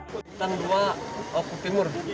belitang dua oku timur